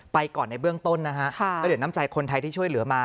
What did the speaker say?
ก่อนในเบื้องต้นนะฮะแล้วเดี๋ยวน้ำใจคนไทยที่ช่วยเหลือมา